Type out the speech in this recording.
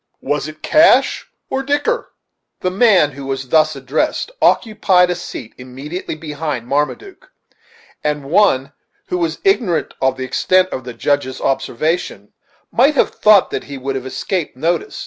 Was it cash or dicker?" The man who was thus addressed occupied a seat immediately behind Marmaduke, and one who was ignorant of the extent of the Judge's observation might have thought he would have escaped notice.